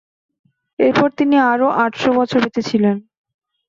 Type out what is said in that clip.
এরপর তিনি আরো আটশ বছর বেঁচেছিলেন।